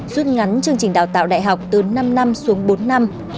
rút ngắn chương trình đào tạo đại học từ năm năm xuống bốn năm